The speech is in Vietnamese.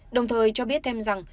đồng thời cho biết thêm rằng